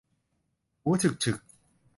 หมูฉึกฉึก